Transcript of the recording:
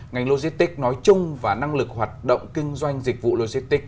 ngành logistics nói chung và năng lực hoạt động kinh doanh dịch vụ logistics